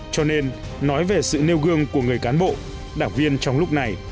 cho nên nói về sự nêu gương của người cán bộ đảng viên trong lúc này